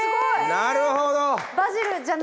なるほど！